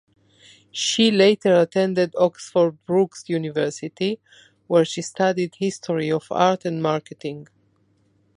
She later attended Oxford Brookes University, where she studied History of Art and Marketing.